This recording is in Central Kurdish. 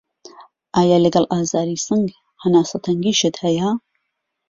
ئایا لەگەڵ ئازاری سنگ هەناسه تەنگیشت هەیە؟